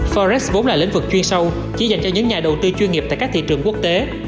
forex vốn là lĩnh vực chuyên sâu chỉ dành cho những nhà đầu tư chuyên nghiệp tại các thị trường quốc tế